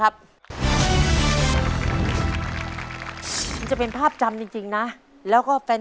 แล้วก็ขอให้เป็นคำตอบให้ถูกต้องนะลูกน้าฟิล์ม